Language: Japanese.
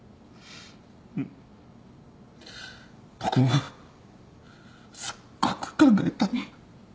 うん僕もすっごく考えた。